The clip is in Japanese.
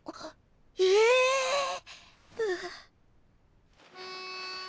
えっ。